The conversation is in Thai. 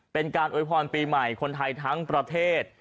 เป็นการอวยพรปีใหม่คนไทยทั้งประเทศ